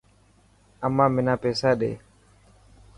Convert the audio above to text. امان منا پيسا ڏي.